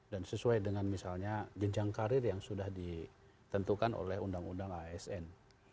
dan sesuai dengan misalnya jenjang karir yang sudah ditentukan oleh undang undang asn